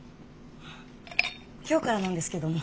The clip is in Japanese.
今日からなんですけども。